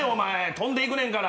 飛んでいくねんから。